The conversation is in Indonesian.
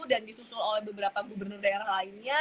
dan disusul oleh beberapa gubernur daerah lainnya